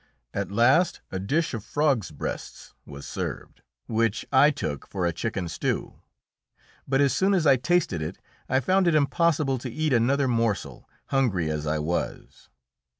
At last a dish of frogs' breasts was served, which I took for a chicken stew. But as soon as I tasted it I found it impossible to eat another morsel, hungry as I was.